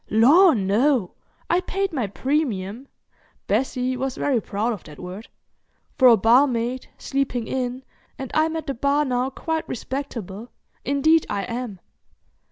"Lor, no! I paid my premium'—Bessie was very proud of that word—"for a barmaid, sleeping in, and I'm at the bar now quite respectable. Indeed I am."